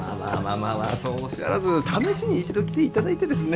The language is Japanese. まあそうおっしゃらず試しに一度来ていただいてですね。